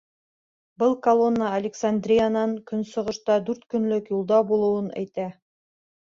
Был колонна Александриянан көнсығышта дүрт көнлөк юлда булыуын әйтә.